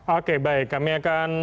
oke baik kami akan